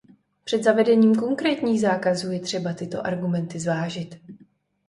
Před zavedením konkrétních zákazů je třeba tyto argumenty zvážit.